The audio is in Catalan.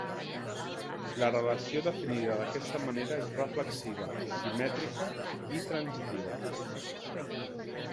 La relació definida d'aquesta manera és reflexiva, simètrica i transitiva.